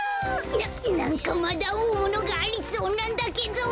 ななんかまだおおものがありそうなんだけど！